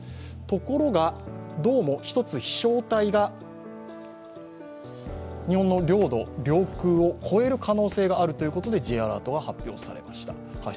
ところが、どうも一つ、飛翔体が日本の領土、領海を越える可能性があるということでＪアラートは発出されました。